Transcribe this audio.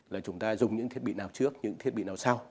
là chúng ta dùng những thiết bị nào trước những thiết bị nào sau